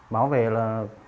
báo về là